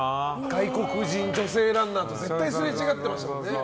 外国人女性ランナーと絶対すれ違ってましたもんね。